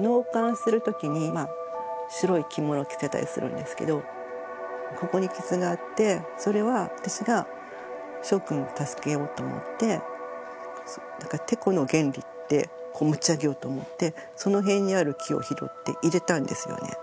納棺するときに白い着物着せたりするんですけどここに傷があってそれは私がしょうくんを助けようと思っててこの原理でこう持ち上げようと思ってその辺にある木を拾って入れたんですよね。